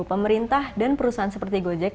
pemerintah dan perusahaan seperti gojek